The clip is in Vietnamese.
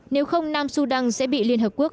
nếu không nam sudan sẽ bị liên hợp quốc